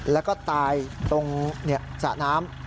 แล้วก็ตายตรงสระน้ำ